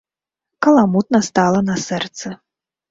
Каламутна стала на сэрцы.